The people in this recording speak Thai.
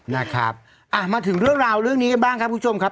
นะครับอ่ะมาถึงเรื่องราวเรื่องนี้กันบ้างครับคุณผู้ชมครับ